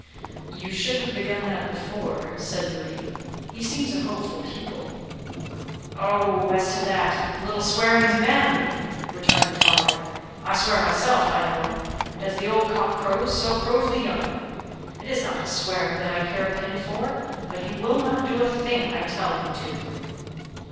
"You should have begun that before," said Moodie. "He seems a hopeful pupil." "Oh, as to that, a little swearing is manly," returned the father; "I swear myself, I know, and as the old cock crows, so crows the young one. It is not his swearing that I care a pin for, but he will not do a thing I tell him to."